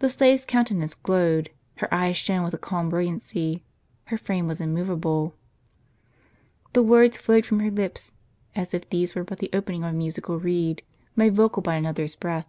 The slave's countenance glowed, her eyes shone with a calm brilliancy, her frame Avas immov able, the words flowed from her lips, as if these were but the opening of a musical reed, made vocal by another's breath.